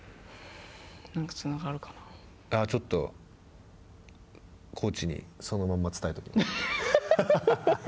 ちょっと、コーチにそのまんま伝えときます。